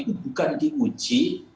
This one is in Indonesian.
itu bukan diuji